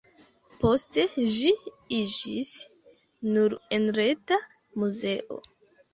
Poste, ĝi iĝis nur-enreta muzeo.